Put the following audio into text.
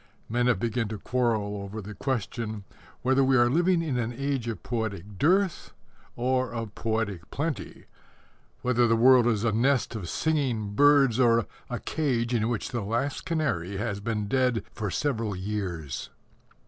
Men have begun to quarrel over the question whether we are living in an age of poetic dearth or of poetic plenty whether the world is a nest of singing birds or a cage in which the last canary has been dead for several years.